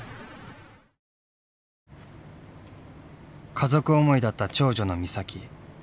家族思いだった長女の美咲。